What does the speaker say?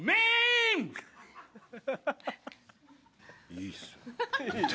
いいっす。